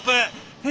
えっ？